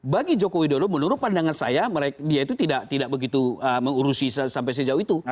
bagi joko widodo menurut pandangan saya dia itu tidak begitu mengurusi sampai sejauh itu